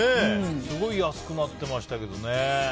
すごい安くなっていましたけどね。